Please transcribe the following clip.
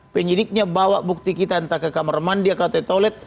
penyidiknya bawa bukti kita entah ke kamar mandi atau ke toilet